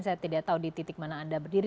saya tidak tahu di titik mana anda berdiri